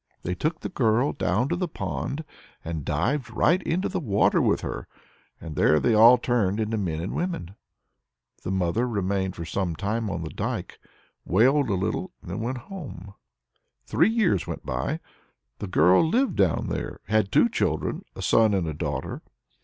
They took the girl down to the pond, and dived right into the water with her. And there they all turned into men and women. The mother remained for some time on the dike, wailed a little, and then went home. Three years went by. The girl lived down there, and had two children, a son and a daughter.